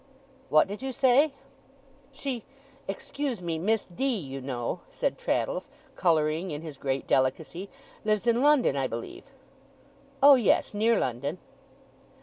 'What did you say?' 'She excuse me Miss D., you know,' said Traddles, colouring in his great delicacy, 'lives in London, I believe?' 'Oh yes. Near London.